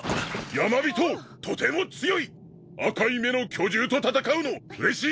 ヤマビトとても強い！赤い目の巨獣と戦うのうれしい。